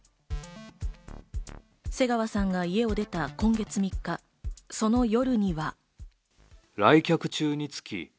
瀬川さんが家を出た今月３日、その夜には。